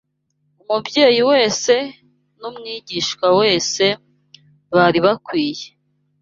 Umubyeyi wese n’umwigisha wese bari bakwiriye